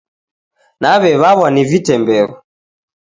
Naw'ew'aw'a ni vitemberu.